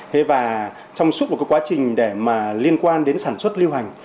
thế và trong suốt một cái quá trình để mà liên quan đến sản xuất lưu hành